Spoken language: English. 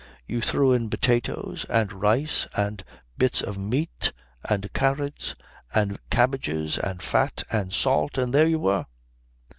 You threw in potatoes and rice and bits of meat and carrots and cabbages and fat and salt, and there you were.